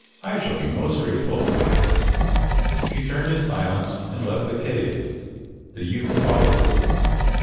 "I shall be most grateful." She turned in silence and left the cave. The youth followed.